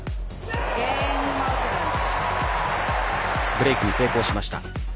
ブレークに成功しました。